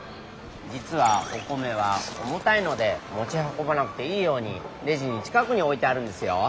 じつはお米は重たいのでもちはこばなくていいようにレジの近くにおいてあるんですよ。